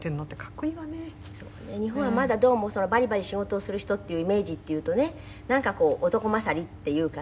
日本はまだどうもバリバリ仕事をする人というイメージっていうとねなんかこう男勝りっていうかね。